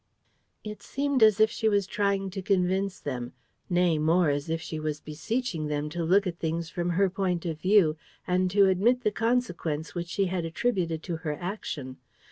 ..." It seemed as if she was trying to convince them; nay, more, as if she was beseeching them to look at things from her point of view and to admit the consequence which she had attributed to her action.